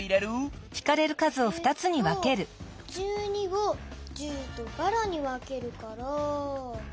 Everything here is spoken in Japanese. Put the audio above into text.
えっと１２を１０とばらにわけるから。